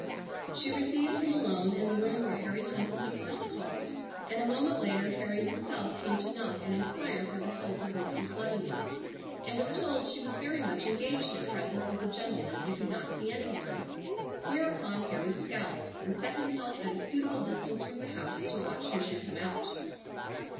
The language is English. She received him alone in the room where Harry Temple had first called, and a moment later Harry himself came to knock and enquire for the health of Mistress Leavenworth, and was told she was very much engaged at present with a gentleman and could not see any one, whereupon Harry scowled, and set himself at a suitable distance from the house to watch who should come out.